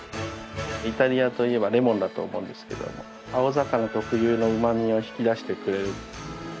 イタリアといえばレモンだと思うんですけども青魚特有のうま味を引き出してくれる。